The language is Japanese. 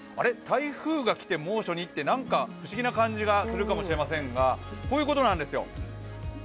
台風が来て猛暑ってなんか不思議な感じがするかもしれませんが、こういうことなんですよ。